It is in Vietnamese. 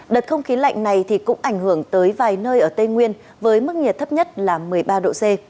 đợt không khí lạnh này cũng ảnh hưởng tới vài nơi ở tây nguyên với mức nhiệt thấp nhất là một mươi ba độ c